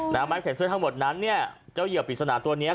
แต่ม้ายเข็นเสื้อทั้งหมดนั้นเนี้ยเจ้าเหยียบปิดสนานตัวเนี้ย